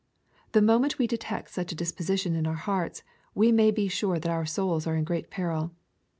The mom'.^xit we detect such a disposition in our hearts, we may be sure that our souls are in great peril.